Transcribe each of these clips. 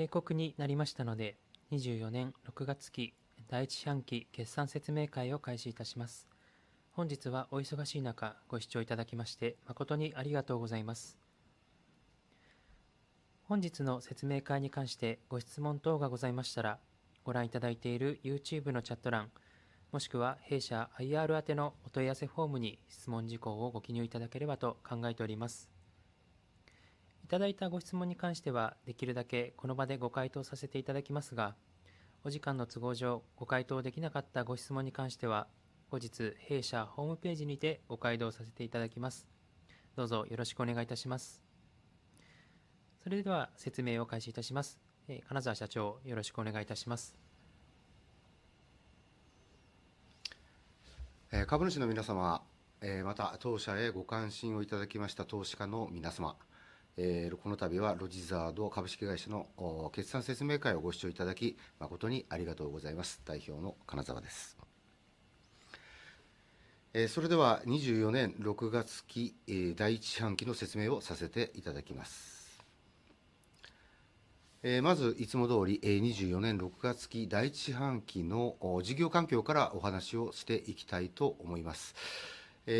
定刻になりましたので、24年6月期第1四半期決算説明会を開始いたします。本日はお忙しい中、ご視聴いただきまして、誠にありがとうございます。本日の説明会に関してご質問等がございましたら、ご覧いただいている YouTube のチャット欄、もしくは弊社 IR 宛のお問い合わせフォームに質問事項をご記入いただければと考えております。いただいたご質問に関しては、できるだけこの場でご回答させていただきますが、お時間の都合上、ご回答できなかったご質問に関しては、後日弊社ホームページにてご回答させていただきます。どうぞよろしくお願いいたします。それでは説明を開始いたします。金澤社長、よろしくお願いいたします。株主の皆様、また、当社へご関心をいただきました投資家の皆様、この度はロジザード株式会社の決算説明会をご視聴いただき、誠にありがとうございます。代表の金澤です。それでは24年6月期第1四半期の説明をさせていただきます。まず、いつも通り、24年6月期第1四半期の事業環境からお話をしていきたいと思います。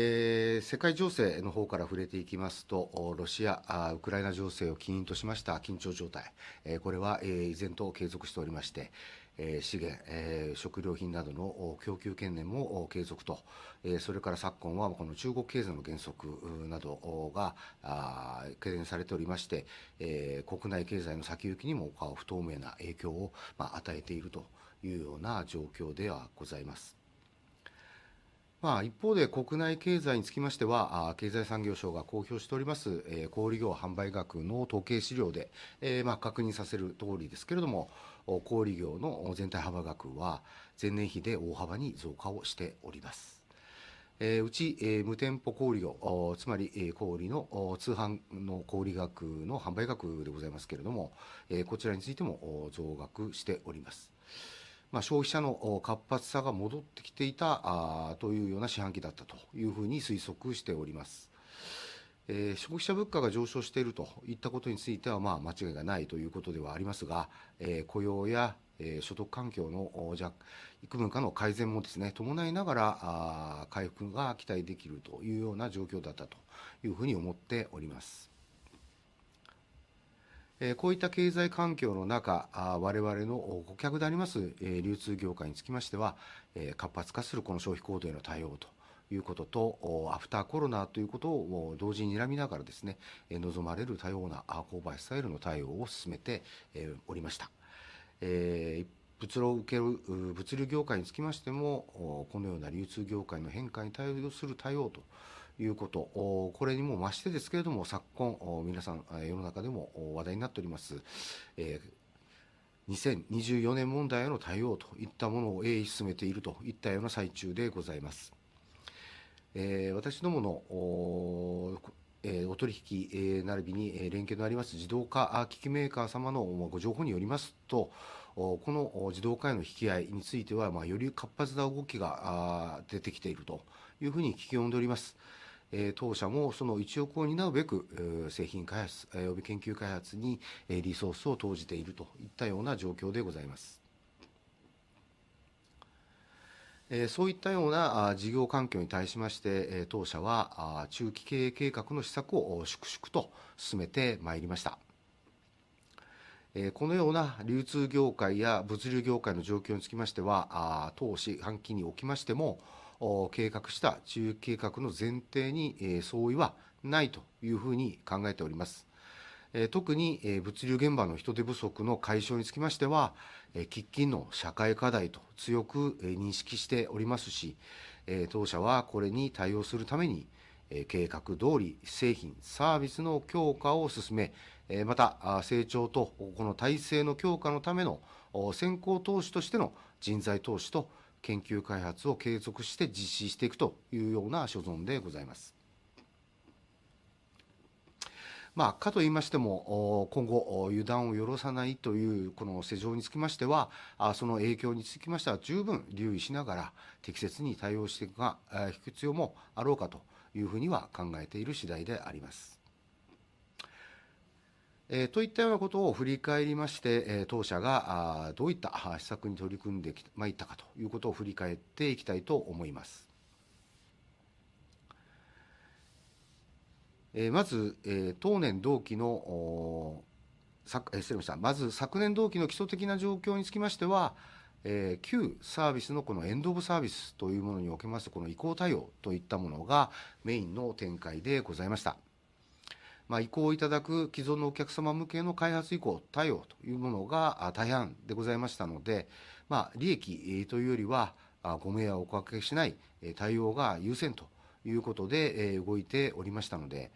世界情勢の方から触れていきますと、ロシア、ウクライナ情勢を起因としました緊張状態、これは依然と継続しておりまして、資源、食料品などの供給懸念も継続と。それから昨今は中国経済の減速などが懸念されておりまして、国内経済の先行きにも不透明な影響を与えているというような状況ではございます。一方で、国内経済につきましては、経済産業省が公表しております小売業販売額の統計資料で確認させるとおりですけれども、小売業の全体販売額は前年比で大幅に増加をしております。うち無店舗小売業、つまり小売の通販の小売額の販売額でございますけれども、こちらについても増額しております。消費者の活発さが戻ってきていたというような四半期だったというふうに推測しております。消費者物価が上昇しているといったことについては間違いがないということではありますが、雇用や所得環境の幾分かの改善も伴いながら、回復が期待できるというような状況だったというふうに思っております。こういった経済環境の中、我々の顧客であります流通業界につきましては、活発化するこの消費行動への対応ということと、アフターコロナということを同時に睨みながらですね、望まれる多様な購買スタイルの対応を進めておりました。物流を受ける物流業界につきましても、このような流通業界の変化に対応する対応ということ、これにも増してですけれども、昨今、皆さん世の中でも話題になっております2024年問題への対応といったものを鋭意進めているといったような最中でございます。私どものお取引ならびに連携のあります自動化機器メーカー様のご情報によりますと、この自動化への引き合いについてはより活発な動きが出てきているというふうに聞き及んでおります。当社もその一翼を担うべく、製品開発および研究開発にリソースを投じているといったような状況でございます。そういったような事業環境に対しまして、当社は中期経営計画の施策を粛々と進めてまいりました。このような流通業界や物流業界の状況につきましては、当四半期におきましても、計画した中期計画の前提に相違はないというふうに考えております。特に、物流現場の人手不足の解消につきましては、喫緊の社会課題と強く認識しておりますし、当社はこれに対応するために計画通り製品サービスの強化を進め、また成長とこの体制の強化のための先行投資としての人材投資と研究開発を継続して実施していくというような所存でございます。かと言いましても、今後油断を許さないというこの世情につきましては、その影響につきましては十分留意しながら適切に対応していくが必要もあろうかというふうには考えている次第であります。といったようなことを振り返りまして、当社がどういった施策に取り組んでまいったかということを振り返っていきたいと思います。まず、当年同期の、失礼しました。まず、昨年同期の基礎的な状況につきましては、旧サービスのこのエンドオブサービスというものにおきまして、この移行対応といったものがメインの展開でございました。移行いただく既存のお客様向けの開発移行対応というものが大半でございましたので、利益というよりはご迷惑をおかけしない対応が優先ということで動いておりましたので、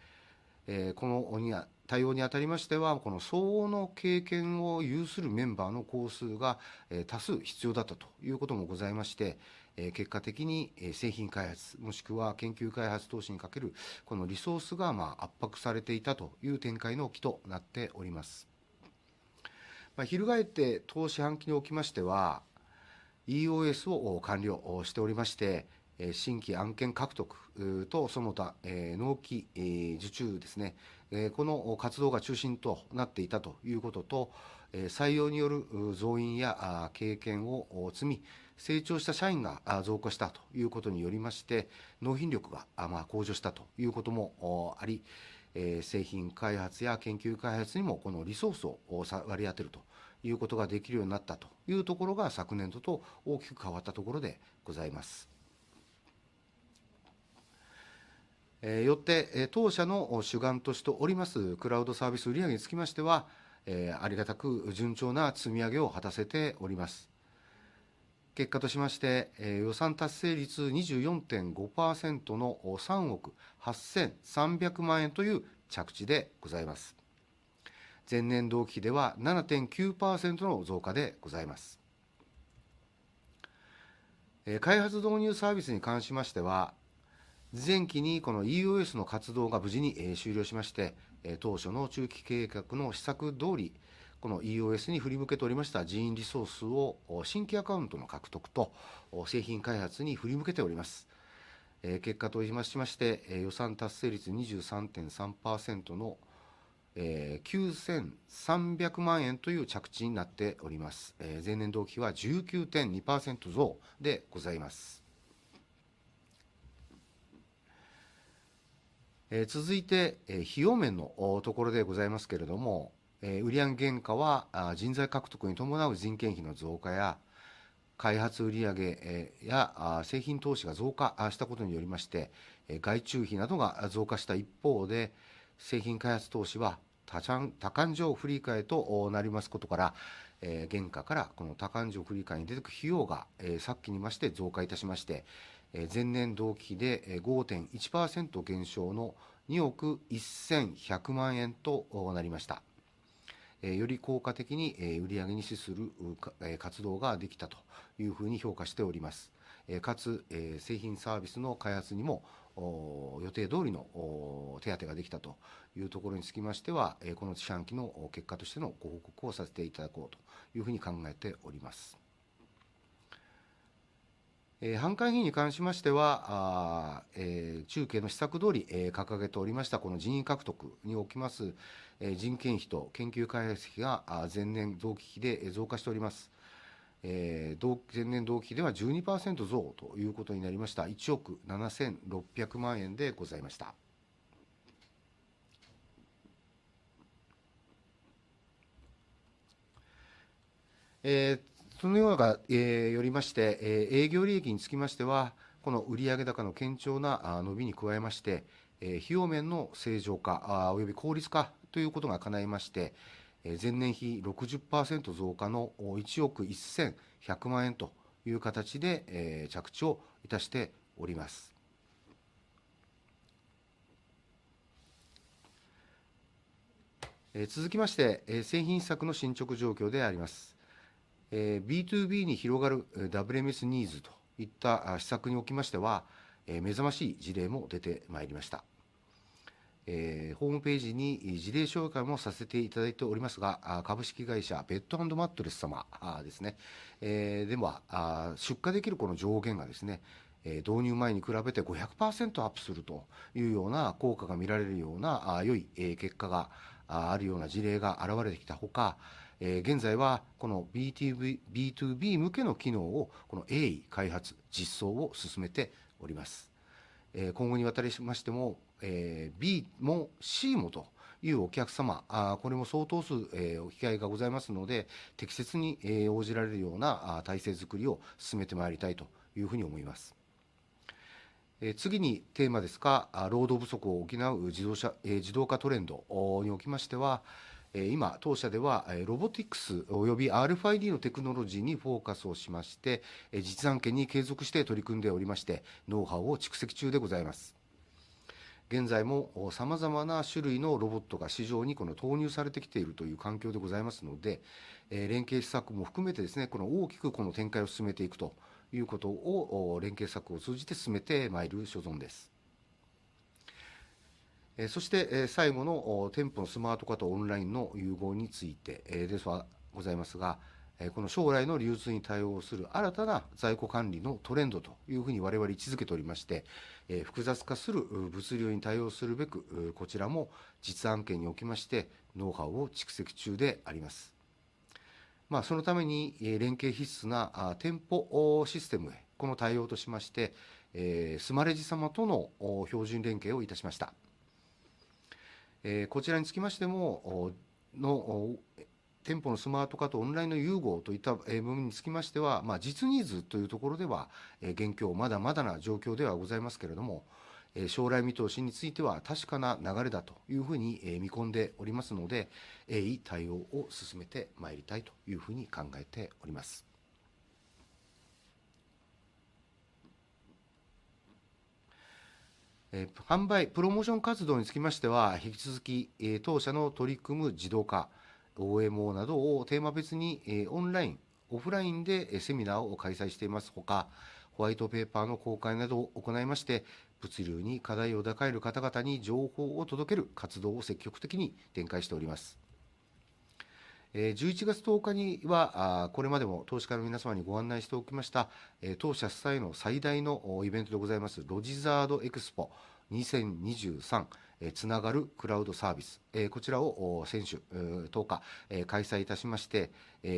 この対応にあたりましては、相応の経験を有するメンバーの工数が多数必要だったということもございまして、結果的に製品開発もしくは研究開発投資にかけるリソースが圧迫されていたという展開の期となっております。翻って、当四半期におきましては、EOS を完了しておりまして、新規案件獲得とその他納期受注ですね。この活動が中心となっていたということと、採用による増員や経験を積み、成長した社員が増加したということによりまして、納品力が向上したということもあり、製品開発や研究開発にもこのリソースを割り当てるということができるようになったというところが、昨年度と大きく変わったところでございます。よって、当社の主眼としておりますクラウドサービス売上につきましては、ありがたく順調な積み上げを果たせております。結果としまして、予算達成率 24.5% の3億 8,300 万円という着地でございます。前年同期では 7.9% の増加でございます。開発導入サービスに関しましては、前期にこの EOS の活動が無事に終了しまして、当初の中期計画の施策通り、この EOS に振り向けておりました人員リソースを新規アカウントの獲得と製品開発に振り向けております。結果としまして、予算達成率 23.3% の 9,300 万円という着地になっております。前年同期は 19.2% 増でございます。続いて費用面のところでございますけれども、売上原価は人材獲得に伴う人件費の増加や開発、売上や製品投資が増加したことによりまして、外注費などが増加した一方で、製品開発投資は多々多幹事振り替えとなりますことから、原価から多管状振り替えにでてくる費用が昨期に増して増加いたしまして、前年同期比で 5.1% 減少の2億 1,100 万円となりました。より効果的に売上に資する活動ができたというふうに評価しております。かつ、製品サービスの開発にも予定通りの手当てができたというところにつきましては、この四半期の結果としてのご報告をさせていただこうというふうに考えております。販管費に関しましては、中計の施策通り掲げておりました。この人員獲得におきます人件費と研究開発費が前年同期比で増加しております。前年同期比では 12% 増ということになりました。1億 7,600 万円でございました。それにより、営業利益につきましては、この売上高の堅調な伸びに加えまして、費用面の正常化および効率化ということが叶いまして、前年比 60% 増加の1億 1,100 万円という形で着地をいたしております。続きまして、製品策の進捗状況であります。BtoB に広がる WMS ニーズといった施策におきましては、目覚ましい事例も出てまいりました。ホームページに事例紹介もさせていただいておりますが、株式会社ベッドアンドマットレス様ですね。では、出荷できるこの上限がですね、導入前に比べて 500% アップするというような効果が見られるような、良い結果があるような事例が現れてきたほか、現在はこの BtoBtoB 向けの機能を鋭意開発、実装を進めております。今後にわたりましても、B も C というお客様、これも相当数お聞き合いがございますので、適切に応じられるような体制づくりを進めてまいりたいというふうに思います。次に、テーマですが、労働不足を補う自動化トレンドにおきましては、今、当社ではロボティクスおよび RFID のテクノロジーにフォーカスをしまして、実案件に継続して取り組んでおりまして、ノウハウを蓄積中でございます。現在も様々な種類のロボットが市場に投入されてきているという環境でございますので、連携施策も含めてですね、この大きくこの展開を進めていくということを連携策を通じて進めてまいる所存です。そして、最後の店舗のスマート化とオンラインの融合についてですが、この将来の流通に対応する新たな在庫管理のトレンドというふうに我々は位置付けておりまして、複雑化する物流に対応するべく、こちらも実案件におきましてノウハウを蓄積中であります。そのために連携必須な店舗システムへ。この対応としまして、スマレジ様との標準連携をいたしました。こちらにつきましても、店舗のスマート化とオンラインの融合といった部分につきましては、実ニーズというところでは現況まだまだな状況ではございますけれども、将来見通しについては確かな流れだというふうに見込んでおりますので、鋭意対応を進めてまいりたいというふうに考えております。販売プロモーション活動につきましては、引き続き当社の取り組む自動化、OMO などをテーマ別にオンライン・オフラインでセミナーを開催していますほか、ホワイトペーパーの公開などを行いまして、物流に課題を抱える方々に情報を届ける活動を積極的に展開しております。11月10日には、これまでも投資家の皆様にご案内しておきました、当社最大のイベントでございます。ロジザード EXPO 2023つながるクラウドサービス。こちらを先週10日開催いたしまして、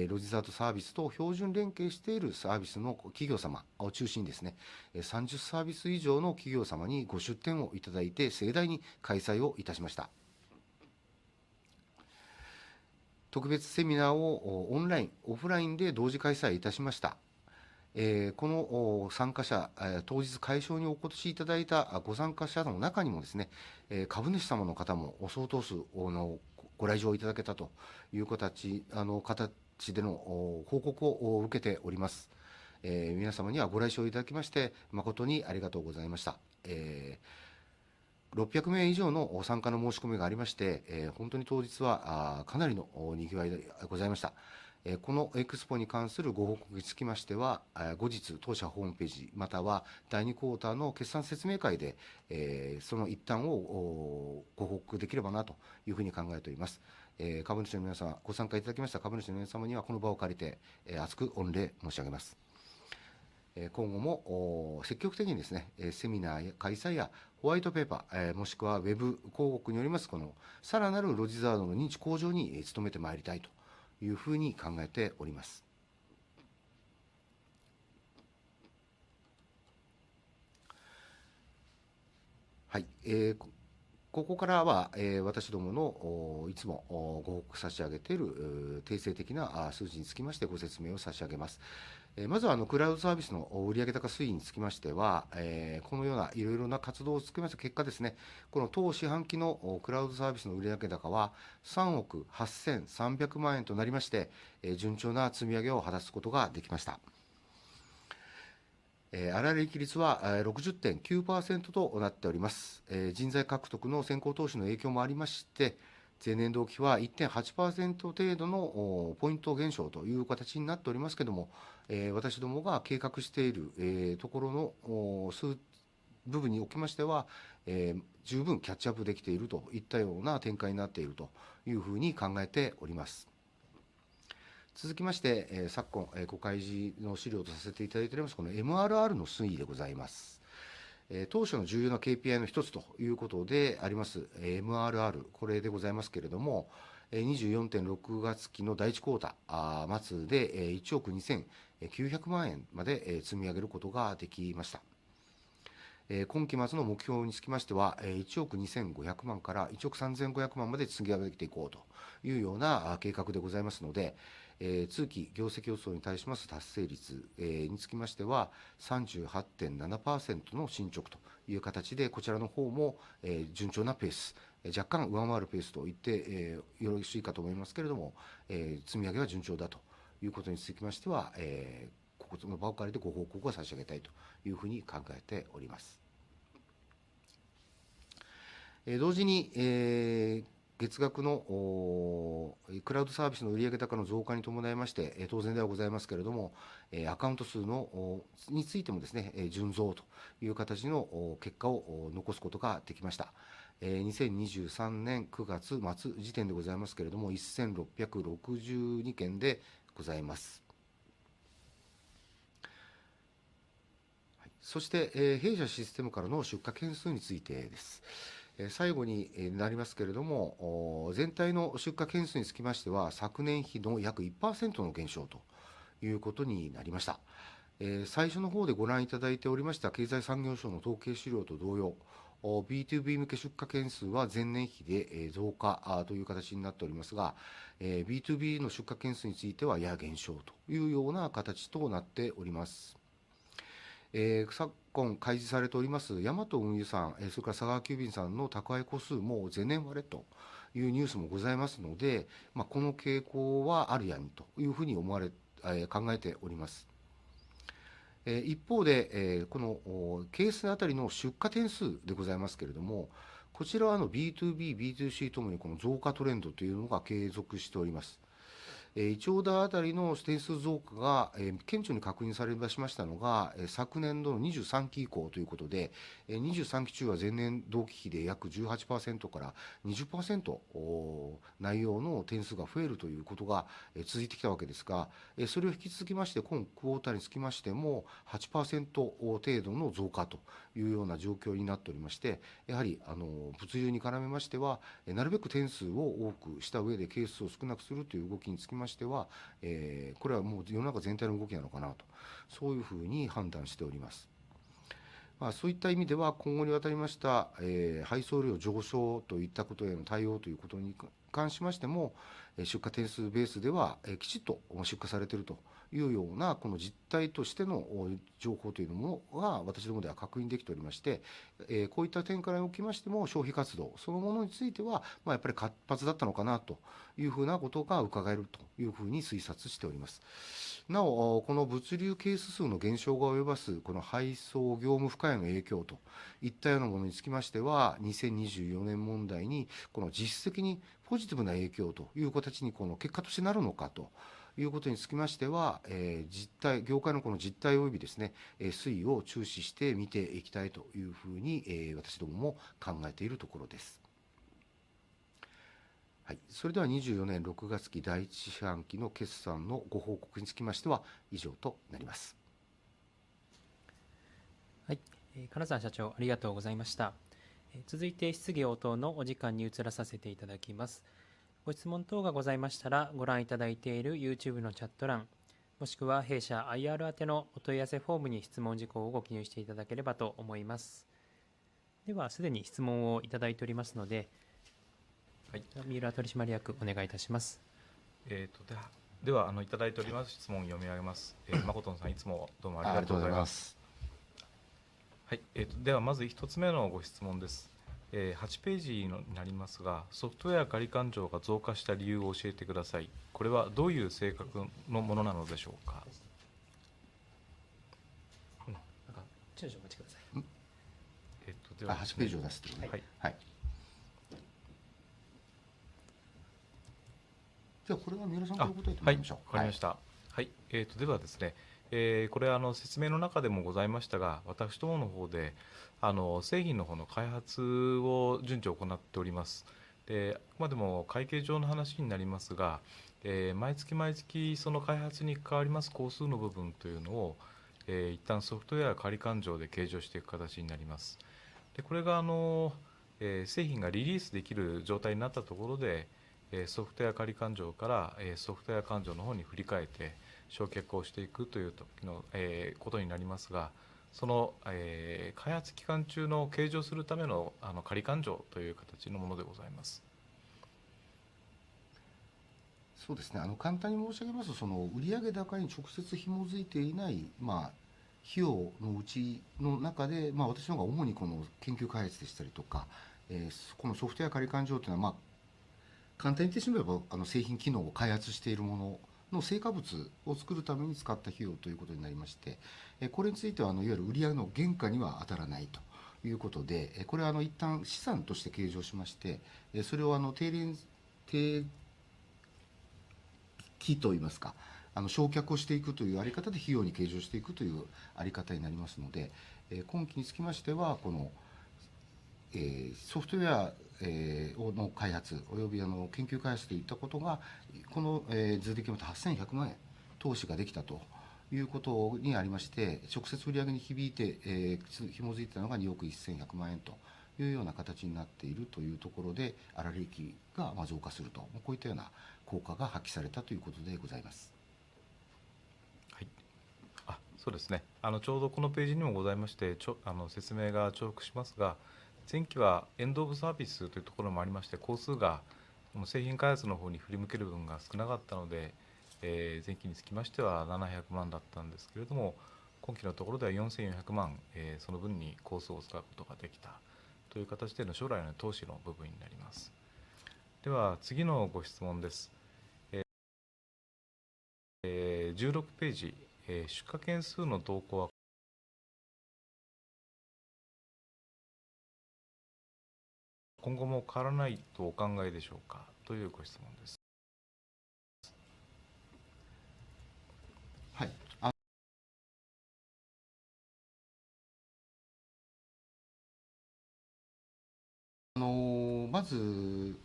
ロジザードサービスと標準連携しているサービスの企業様を中心にですね、30サービス以上の企業様にご出展をいただいて、盛大に開催をいたしました。特別セミナーをオンライン、オフラインで同時開催いたしました。この参加者、当日会場にお越しいただいたご参加者の中にもですね、株主様の方も相当数のご来場いただけたという形での報告を受けております。皆様にはご来場いただきまして、誠にありがとうございました。600名以上の参加の申し込みがありまして、本当に当日はかなりの賑わいでございました。この EXPO に関するご報告につきましては、後日、当社ホームページ、または第2クォーターの決算説明会で、その一端を報告できればなというふうに考えております。株主の皆様、ご参加いただきました株主の皆様には、この場を借りて厚く御礼申し上げます。今後も積極的にですね、セミナー開催やホワイトペーパー、もしくはウェブ広告によります、この更なるロジザードの認知向上に努めてまいりたいというふうに考えております。はい。ここからは私どものいつもご報告差し上げている定性的な数字につきまして、ご説明を差し上げます。まずはクラウドサービスの売上高推移につきましては、このようないろいろな活動につきまして結果ですね。この当四半期のクラウドサービスの売上高は3億 8,300 万円となりまして、順調な積み上げを果たすことができました。粗利率は 60.9% となっております。人材獲得の先行投資の影響もありまして、前年同期比は 1.8% 程度のポイント減少という形になっておりますけども、私どもが計画しているところの数字部分におきましては、十分キャッチアップできているといったような展開になっているというふうに考えております。続きまして、昨公開時の資料とさせていただいております、この MRR の推移でございます。当社の重要な KPI の一つということであります。MRR、これでございますけれども、24年6月期の第1クォーター末で1億 2,900 万円まで積み上げることができました。今期末の目標につきましては、1億 2,500 万から1億 3,500 万まで積み上げていこうというような計画でございますので、通期業績予想に対します達成率につきましては、38.7% の進捗という形で、こちらの方も順調なペース、若干上回るペースと言ってよろしいかと思いますけれども、積み上げは順調だということにつきましては、この場を借りてご報告を差し上げたいというふうに考えております。同時に、月額のクラウドサービスの売上高の増加に伴いまして、当然ではございますけれども、アカウント数についてもですね、純増という形の結果を残すことができました。2023年9月末時点でございますけれども、1,662 件でございます。そして、弊社システムからの出荷件数についてです。最後になりますけれども、全体の出荷件数につきましては、昨年比の約 1% の減少ということになりました。最初の方でご覧いただいておりました経済産業省の統計資料と同様、BtoB 向け出荷件数は前年比で増加という形になっておりますが、BtoC の出荷件数についてはやや減少というような形となっております。昨今開示されておりますヤマト運輸さん、それから佐川急便さんの宅配個数も前年割れというニュースもございますので、この傾向はあるやんというふうに思われ、考えております。一方で、このケース当たりの出荷点数でございますけれども、こちらは BtoB、BtoC ともにこの増加トレンドというのが継続しております。一桁あたりの点数増加が顕著に確認されましたのが、昨年度の23期以降ということで、23期中は前年同期比で約 18% から 20% 内容の点数が増えるということが続いてきたわけですが、それを引き継ぎまして、今クォーターにつきましても 8% 程度の増加というような状況になっておりまして、やはり物流に絡みましては、なるべく点数を多くした上でケースを少なくするという動きにつきましては、これはもう世の中全体の動きなのかなと、そういうふうに判断しております。そういった意味では、今後にわたりました配送量上昇といったことへの対応ということに関しましても、出荷点数ベースではきちっと出荷されているというような、この実態としての情報というものは私どもでは確認できておりまして、こういった展開におきましても、消費活動そのものについてはやはり活発だったのかなというふうなことがうかがえるというふうに推察しております。なお、この物流ケース数の減少が及ぼすこの配送業務負荷への影響といったようなものにつきましては、2024年問題にこの実質的にポジティブな影響という形に、この結果としてなるのかということにつきましては、実態、業界のこの実態およびですね、推移を注視して見ていきたいというふうに私どもも考えているところです。それでは2024年6月期第1四半期の決算のご報告につきましては以上となります。はい、金沢社長ありがとうございました。続いて質疑応答のお時間に移らせていただきます。ご質問等がございましたら、ご覧いただいている YouTube のチャット欄、もしくは弊社 IR 宛てのお問い合わせフォームに質問事項をご記入していただければと思います。では、すでに質問をいただいておりますので、はい、ミウラ取締役お願いいたします。えーと、ではいただいております質問を読み上げます。マコトさん、いつもどうもありがとうございます。はい。では、まず1つ目のご質問です。8ページになりますが、ソフトウェア仮勘定が増加した理由を教えてください。これはどういう性格のものなのでしょうか。ちょっとお待ちください。8ページを出すという。はい。では、これは三浦さん。わかりました。はい。ではですね、これは説明の中でもございましたが、私どもの方で製品の方の開発を順次行っております。で、あくまでも会計上の話になりますが、毎月毎月その開発に関わります工数の部分というのを一旦ソフトウェア仮勘定で計上していく形になります。これが製品がリリースできる状態になったところで、ソフトウェア仮勘定からソフトウェア勘定の方に振り替えて償却をしていくということになりますが、その開発期間中の計上するための仮勘定という形のものでございます。そうですね。簡単に申し上げますと、売上高に直接紐付いていない費用のうちの中で、私の方が主にこの研究開発でしたりとか、このソフトウェア仮勘定というのは、簡単に言ってしまえば、製品機能を開発しているものの成果物を作るために使った費用ということになりまして、これについてはいわゆる売上の原価には当たらないということで、これはいったん資産として計上しまして、それを定期的といいますか、償却をしていくというやり方で費用に計上していくというあり方になりますので、今期につきましては、このソフトウェアの開発および研究開発でいったことが、この数字でいうと ¥8,100 万円投資ができたということにありまして、直接売上に響いて紐付いてたのが ¥2 億 1,100 万円というような形になっているというところで、粗利益が増加すると、こういったような効果が発揮されたということでございます。はい。そうですね。ちょうどこのページにもございまして、説明が重複しますが、前期はエンドオブサービスというところもありまして、工数が製品開発の方に振り向ける分が少なかったので、前期につきましては700万だったんですけれども、今期のところでは 4,400 万、その分に工数を使うことができたという形での将来の投資の部分になります。では、次のご質問です。16ページ出荷件数の動向は、今後も変わらないとお考えでしょう か？ というご質問です。はい。あの、まず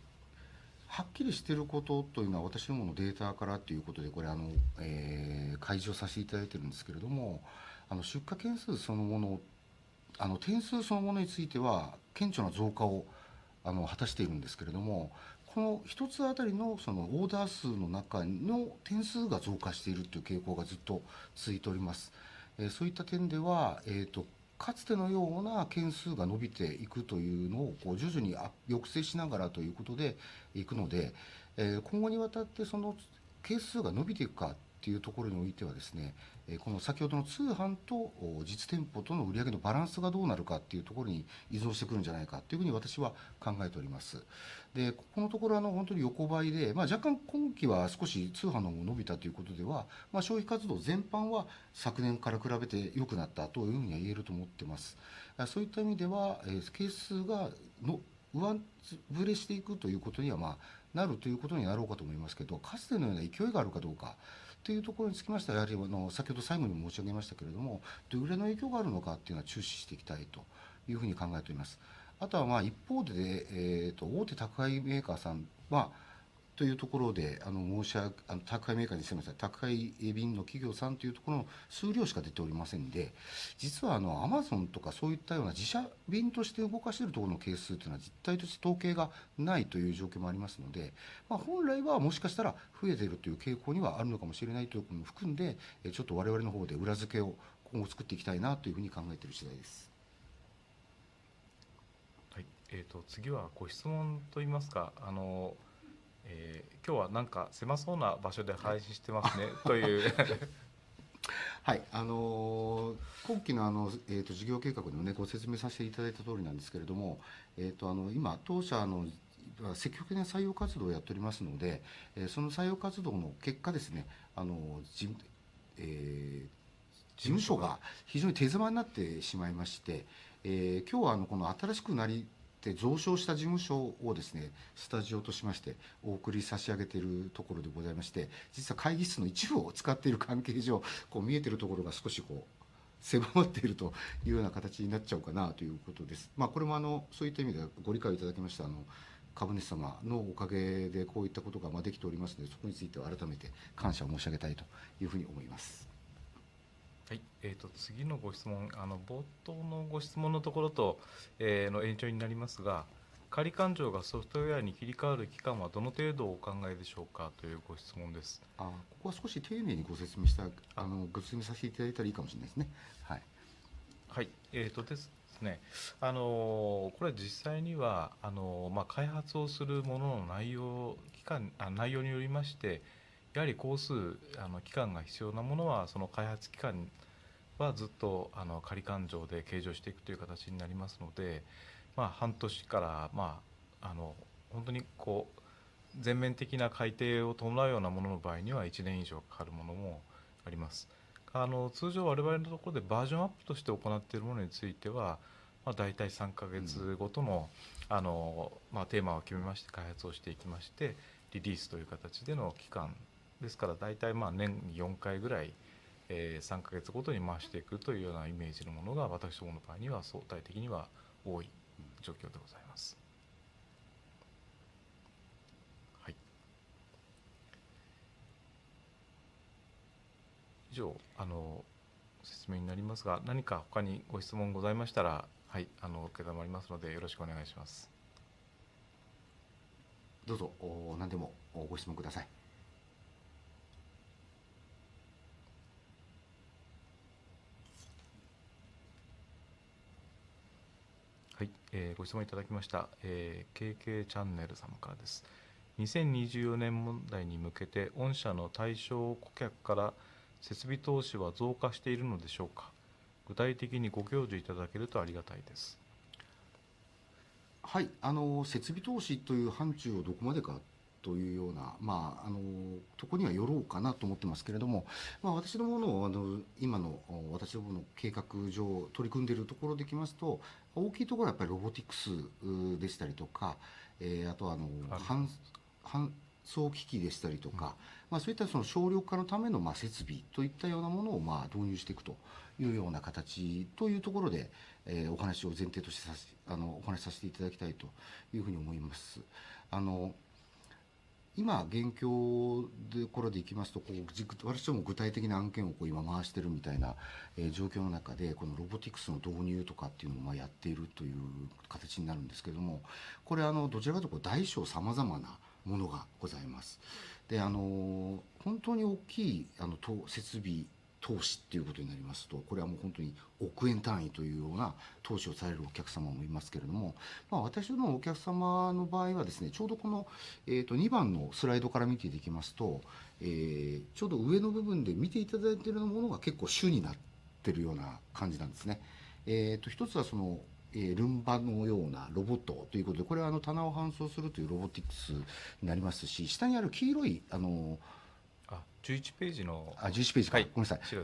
はっきりしていることというのは、私どものデータからということで、これ開示をさせていただいているんですけれども、出荷件数そのもの、点数そのものについては顕著な増加を果たしているんですけれども、この1つあたりのオーダー数の中の点数が増加しているという傾向がずっと続いております。そういった点では、かつてのような件数が伸びていくというのを徐々に抑制しながらということでいくので、今後にわたってその件数が伸びていくかっていうところにおいてはですね、この先ほどの通販と実店舗との売上のバランスがどうなるかっていうところに依存してくるんじゃないかというふうに私は考えております。で、このところ、本当に横ばいで、若干今期は少し通販の方も伸びたということでは、消費活動全般は昨年から比べて良くなったというふうには言えると思っています。そういった意味では、ケース数が上振れしていくということになるということになろうかと思いますけど、かつてのような勢いがあるかどうかというところにつきましては、やはり先ほど最後にも申し上げましたけれども、どういう影響があるのかというのは注視していきたいというふうに考えております。あとは一方で、大手宅配メーカーさんはというところで、申し訳ございません、宅配便の企業さんというところの数量しか出ておりませんで、実は Amazon とかそういったような自社便として動かしているところの件数というのは実態として統計がないという状況もありますので、本来はもしかしたら増えているという傾向にはあるのかもしれないというのも含んで、ちょっと我々の方で裏付けを今後作っていきたいなというふうに考えている次第です。はい。えーと、次はご質問といいますか、今日はなんか狭そうな場所で配信してますね。という。はい。あの、今期の事業計画でもご説明させていただいた通りなんですけれども、今、当社は積極的な採用活動をやっておりますので、その採用活動の結果ですね、事務所が非常に手狭になってしまいまして、今日はこの新しくなりて増床した事務所をですね、スタジオとしましてお送り差し上げているところでございまして、実は会議室の一部を使っている関係上、見えているところが少しこう狭まっているというような形になっちゃうかなということです。これもそういった意味ではご理解をいただきました。株主様のおかげでこういったことができておりますので、そこについては改めて感謝を申し上げたいというふうに思います。はい。えーと、次のご質問、冒頭のご質問のところとの延長になりますが、仮勘定がソフトウェアに切り替わる期間はどの程度をお考えでしょう か？ というご質問です。ここは少し丁寧にご説明した、ご説明させていただいたらいいかもしれないですね。はい。はい。えーとですね、これ、実際には開発をするものの内容、期間、内容によりまして、やはり工数、期間が必要なものは、その開発期間はずっと仮勘定で計上していくという形になりますので、半年から、まあ本当にこう全面的な改訂を伴うようなものの場合には、一年以上かかるものもあります。通常、我々のところでバージョンアップとして行っているものについては、大体三ヶ月ごとのテーマを決めまして、開発をしていきまして、リリースという形での期間ですから、大体年四回ぐらい、三ヶ月ごとに回していくというようなイメージのものが、私どもの場合には相対的には多い状況でございます。はい。以上、説明になりますが、何か他にご質問ございましたら、はい、承りますのでよろしくお願いします。どうぞ何でもご質問ください。はい、ご質問いただきました。KK チャンネル様からです。2024年問題に向けて、御社の対象顧客から設備投資は増加しているのでしょう か？ 具体的にご教示いただけるとありがたいです。はい。あの設備投資という範疇をどこまでかというような、まあところにはよろうかなと思ってますけれども、私どもの今の私どもの計画上取り組んでいるところでいきますと、大きいところはやっぱりロボティクスでしたりとか、あとは搬送機器でしたりとか、そういった省力化のための設備といったようなものを導入していくというような形というところでお話を前提としてお話しさせていただきたいというふうに思います。あの、今、現況のところでいきますと、私ども具体的な案件を今回してるみたいな状況の中で、このロボティクスの導入とかっていうのをやっているという形になるんですけれども、これどちらかというと大小様々なものがございます。で、本当に大きい設備投資ということになりますと、これはもう本当に億円単位というような投資をされるお客様もいますけれども、私のお客様の場合はですね、ちょうどこの二番のスライドから見ていきますと、ちょうど上の部分で見ていただいているものが結構主になってるような感じなんですね。一つはルンバのようなロボットということで、これは棚を搬送するというロボティクスになりますし、下にある黄色い、あの。十一ページの。十一ページのか、ごめんなさい。十一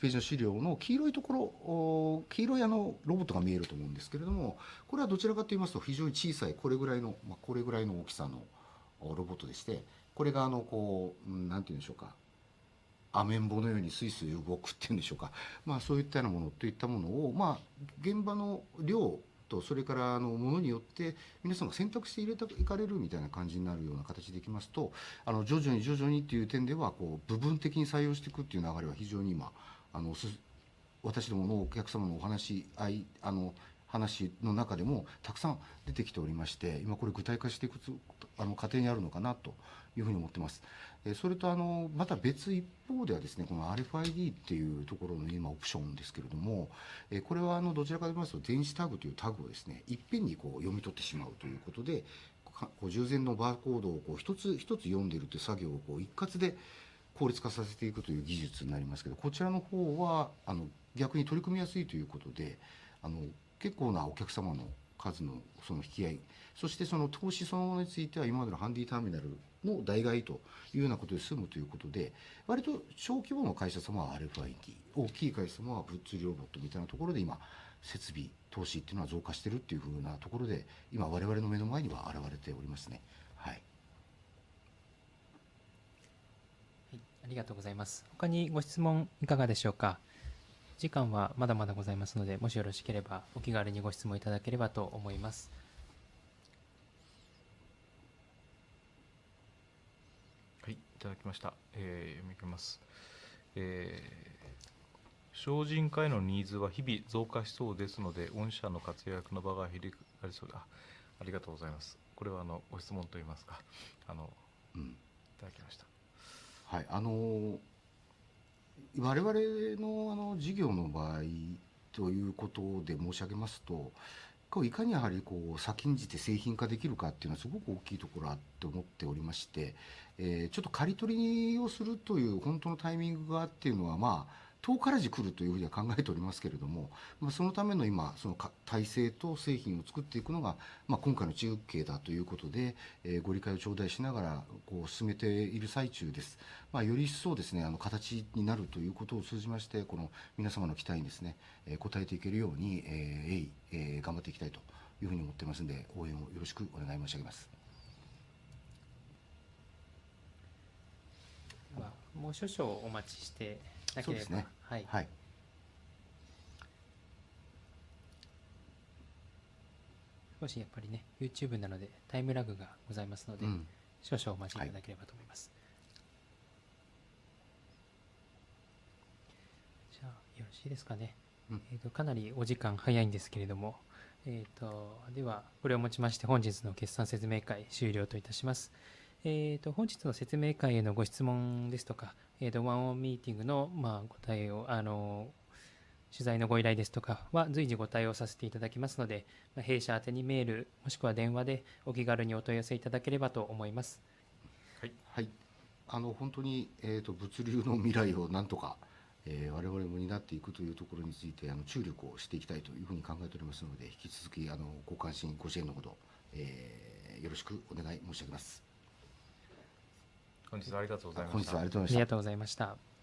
ページの資料の黄色いところ、黄色いロボットが見えると思うんですけれども、これはどちらかと言いますと、非常に小さい、これぐらいの、これぐらいの大きさのロボットでして。これがこう、なんて言うんでしょうか、アメンボのようにスイスイ動くっていうんでしょうか。そういったようなものといったものを、現場の量と、それからのものによって皆さんが選択して入れていかれるみたいな感じになるような形でいきますと、徐々に徐々にという点では、部分的に採用していくという流れは非常に今、私どものお客様のお話合い、話の中でもたくさん出てきておりまして、今これ具体化していく過程にあるのかなというふうに思っています。それとまた別一方ではですね、この RFID っていうところのオプションですけれども、これはどちらかと言いますと、電子タグというタグをですね、いっぺんに読み取ってしまうということで、従前のバーコードを一つ一つ読んでいるという作業を一括で効率化させていくという技術になりますけど、こちらの方は逆に取り組みやすいということで、結構なお客様の数の引き合い、そしてその投資そのものについては、今までのハンディターミナルの代替というようなことで済むということで、割と小規模の会社様は RFID、大きい会社様は物流ロボットみたいなところで、今設備投資っていうのは増加しているっていうふうなところで、今我々の目の前には現れておりますね。はい。はい、ありがとうございます。他にご質問いかがでしょう か？ 時間はまだまだございますので、もしよろしければお気軽にご質問いただければと思います。はい、いただきました。読みます。少人化へのニーズは日々増加しそうですので、御社の活躍の場が広がりそうだ。ありがとうございます。これはご質問といいますか、あの、いただきました。はい。あの、我々の事業の場合ということで申し上げますと、いかにやはり先んじて製品化できるかっていうのはすごく大きいところだと思っておりまして。ちょっと刈り取りをするという本当のタイミングがっていうのは、まあ遠からず来るというふうには考えておりますけれども、そのための今、その体制と製品を作っていくのが今回の中計だということで、ご理解を頂戴しながら進めている最中です。より一層ですね、形になるということを通じまして、この皆様の期待にですね、応えていけるように、鋭意頑張っていきたいというふうに思っていますので、応援をよろしくお願い申し上げます。もう少々お待ちしていただければ。はい。少しやっぱりね、YouTube なのでタイムラグがございますので、少々お待ちいただければと思います。じゃあよろしいですかね。かなりお時間早いんですけれども。では、これをもちまして本日の決算説明会終了といたします。本日の説明会へのご質問ですとか、ワンオンミーティングのご対応、取材のご依頼ですとかは随時ご対応させていただきますので、弊社宛にメールもしくは電話でお気軽にお問い合わせいただければと思います。はい。はい。本当に物流の未来をなんとか我々も担っていくというところについて注力をしていきたいというふうに考えておりますので、引き続きご関心、ご支援のほど、よろしくお願い申し上げます。本日はありがとうございました。本日はありがとうございました。ありがとうございました。